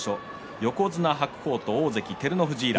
横綱白鵬と大関照ノ富士以来。